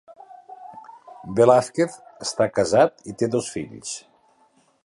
Velázquez està casat i té dos fills.